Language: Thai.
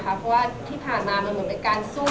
เพราะว่าที่ผ่านมามันเหมือนเป็นการสู้